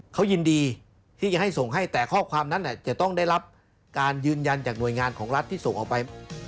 เขายินดีที่จะให้ส่งให้แต่ข้อความนั้นจะต้องได้รับการยืนยันจากหน่วยงานของรัฐที่ส่งออกไป